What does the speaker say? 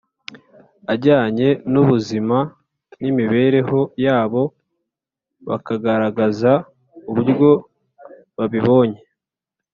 ajyanye n ubuzima n imibereho yabo Bakagaragaza uburyo babibonye